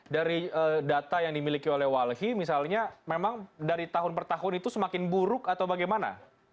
dari data yang dimiliki oleh walhi misalnya memang dari tahun per tahun itu semakin buruk atau bagaimana